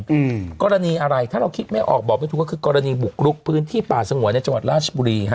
อืมกรณีอะไรถ้าเราคิดไม่ออกบอกไม่ถูกก็คือกรณีบุกลุกพื้นที่ป่าสงวนในจังหวัดราชบุรีฮะ